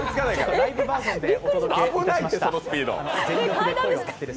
ライブバージョンでお届けしました。